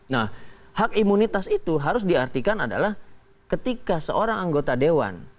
nah hak imunitas itu harus diartikan adalah ketika seorang anggota dewan